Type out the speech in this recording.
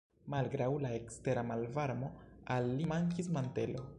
Malgraŭ la ekstera malvarmo al li mankis mantelo.